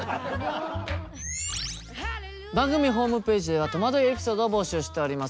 番組ホームページではとまどいエピソードを募集しております。